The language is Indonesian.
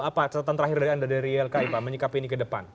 apa catatan terakhir dari anda dari ylki pak menyikapi ini ke depan